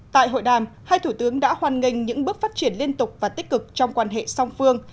tại hội đàm hai thủ tướng đã hoan nghênh những bước phát triển liên tục và tích cực trong quan hệ song phương